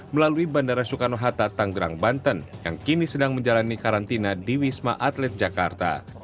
melalui bandara soekarno hatta tanggerang banten yang kini sedang menjalani karantina di wisma atlet jakarta